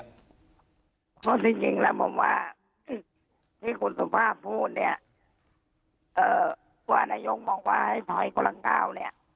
ก็จริงแล้วผมว่าที่คุณสุภาพพูดเนี้ยเอ่อตัวนายกมองว่าให้ถอยกระลังกาวเนี้ย